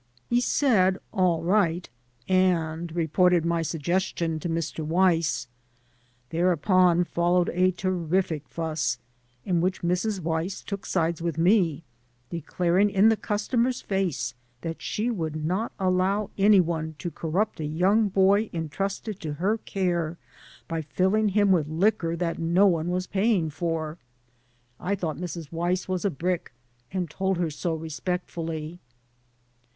He said, "All right," and reported my suggestion to Mr. Weiss. Thereupon followed a terrific fuss, in which Mrs. Weiss took sides with me, declaring, in the customer's face, that she would not allow any one to corrupt a young boy intrusted to her care by filling him with liquor that no one was paying for. I 127 AN AMERICAN IN THE MAKING thought Mrs. Weiss was a brick, and told her so re spectfully.